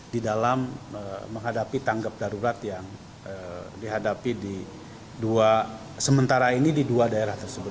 di dalam menghadapi tanggap darurat yang dihadapi di dua sementara ini di dua daerah tersebut